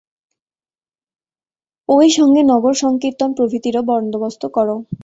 ঐ সঙ্গে নগরসঙ্কীর্তন প্রভৃতিরও বন্দোবস্ত কর।